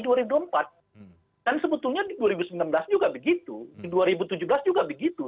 dan sebetulnya di dua ribu sembilan belas juga begitu di dua ribu tujuh belas juga begitu